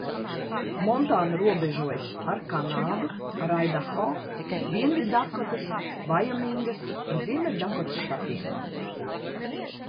Montāna robežojas ar Kanādu, ar Aidaho, Dienviddakotas, Vaiomingas un Ziemeļdakotas štatiem.